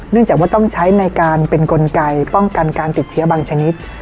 จากว่าต้องใช้ในการเป็นกลไกป้องกันการติดเชื้อบางชนิด